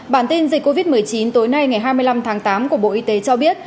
bản tin dịch covid một mươi chín tối nay ngày hai mươi năm tháng tám của bộ y tế cho biết